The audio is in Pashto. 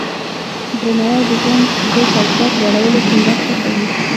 درناوی د ژوند د کیفیت لوړولو کې مرسته کوي.